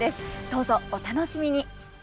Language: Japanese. どうぞお楽しみに！